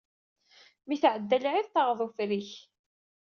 Mi tɛedda lɛid, taɣeḍ ufrik.